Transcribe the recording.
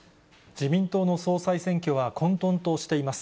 自民党の総裁選挙は、混とんとしています。